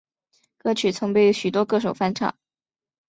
歌曲曾被许多歌手翻唱。